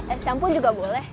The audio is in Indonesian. es sampul juga boleh